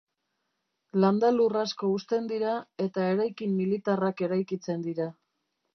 Landa lur asko husten dira eta eraikin militarrak eraikitzen dira.